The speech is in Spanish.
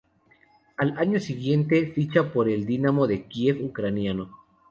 Al año siguiente ficha por el Dinamo de Kiev ucraniano.